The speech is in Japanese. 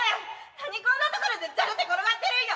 なにこんなところでじゃれて転がってるんよ！